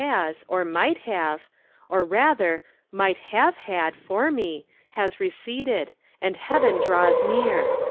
has, or might have, or, rather, might have had for me, has receded, and heaven draws near.